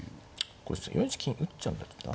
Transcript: これ４一金打っちゃうんだったな。